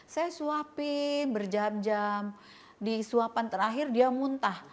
saya suapin berjam jam di suapan terakhir dia muntah